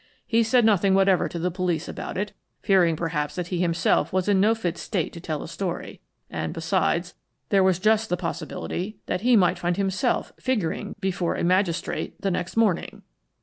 He said nothing whatever to the police about it, fearing perhaps that he himself was in no fit state to tell a story; and, besides, there was just the possibility that he might find himself figuring before a magistrate the next morning.